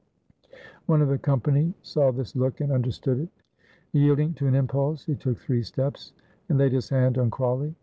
One of the company saw this look and understood it. Yielding to an impulse he took three steps, and laid his hand on Crawley.